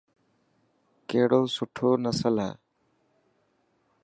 گهوڙو سٺي نسل هي.